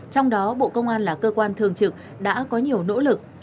trong đó bộ công an là cơ quan thường trực đã có nhiều nỗ lực